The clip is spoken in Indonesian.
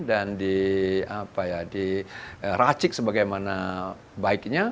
dan diracik sebagaimana baiknya